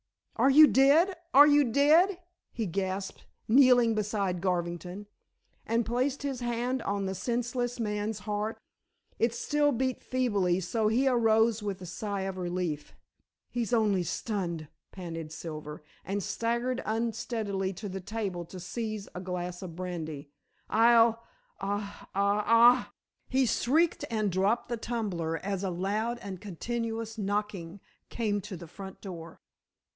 "Are you dead? are you dead?" he gasped, kneeling beside Garvington, and placed his hand on the senseless man's heart. It still beat feebly, so he arose with a sigh of relief. "He's only stunned," panted Silver, and staggered unsteadily to the table to seize a glass of brandy. "I'll, ah ah ah!" he shrieked and dropped the tumbler as a loud and continuous knocking came to the front door.